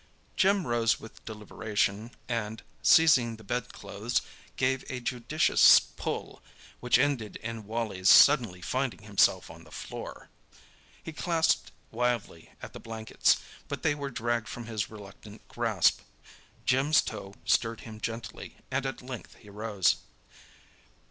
Jim rose with deliberation and, seizing the bedclothes, gave a judicious pull, which ended in Wally's suddenly finding himself on the floor. He clasped wildly at the blankets, but they were dragged from his reluctant grasp. Jim's toe stirred him gently and at length he rose.